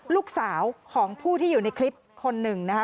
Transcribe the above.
ลูกสาวของผู้ที่อยู่ในคลิปคนหนึ่งนะคะ